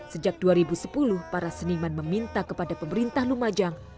sejak dua ribu sepuluh para seniman meminta kepada pemerintah lumajang